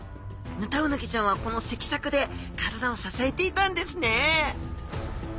ヌタウナギちゃんはこの脊索で体を支えていたんですね